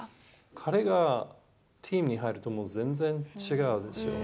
彼がチームに入ると、もう全然違うんですよね。